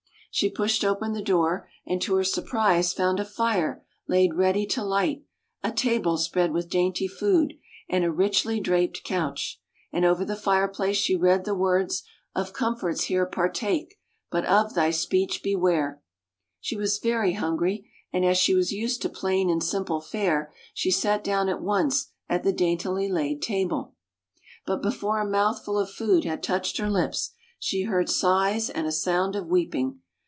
'' She pushed open the door, and to her sur prise found a fire laid ready to light, a table spread with dainty food, and a richly draped couch. And over the fireplace she read the words: "Of comforts here, partake; but of thy speech beware! " She was very hungry, and as she was used to plain and simple fare, she sat down at once at the daintily laid table. But before a mouthful of food had touched her lips, she heard sighs and a sound of weeping.